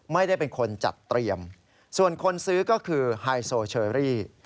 ไม่ได้เป็นคนจัดเตรียมส่วนคนซื้อก็คือไฮโซเชอรี่